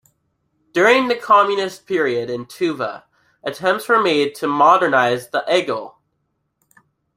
During the communist period in Tuva attempts were made to "modernize" the igil.